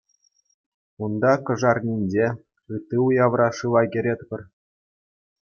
Унта Кӑшарнинче, ытти уявра шыва кӗретпӗр.